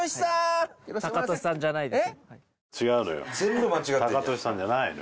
違うのよ。